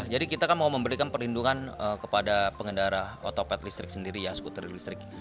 jadi kita kan mau memberikan perlindungan kepada pengendara otopet listrik sendiri ya skuter listrik